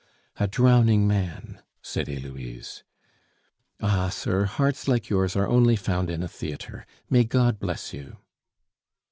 "A drowning man," said Heloise. "Ah, sir, hearts like yours are only found in a theatre. May God bless you!"